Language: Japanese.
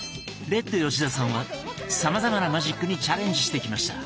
レッド吉田さんはさまざまなマジックにチャレンジしてきました。